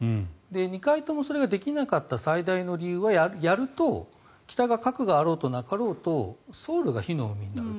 ２回ともそれができなかった最大の理由はやると北が核があろうとなかろうとソウルが火の海になると。